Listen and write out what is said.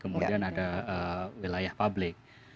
kemudian ada wilayah publik